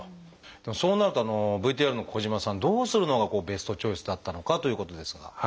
でもそうなるとＶＴＲの小島さんどうするのがベストチョイスだったのかということですが。